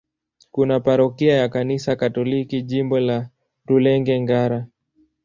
Kuna parokia ya Kanisa Katoliki, Jimbo la Rulenge-Ngara.